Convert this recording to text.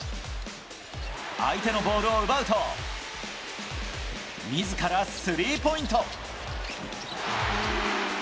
相手のボールを奪うと、みずからスリーポイント。